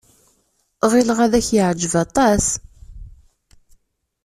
Ɣileɣ ad k-yeɛjeb aṭas.